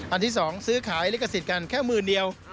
ที่๒ซื้อขายลิขสิทธิ์กันแค่หมื่นเดียว